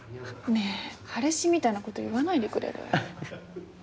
ねえ彼氏みたいなこと言わないでくれる？